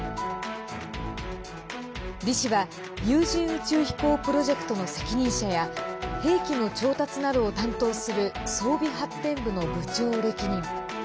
李氏は有人宇宙飛行プロジェクトの責任者や兵器の調達などを担当する装備発展部の部長を歴任。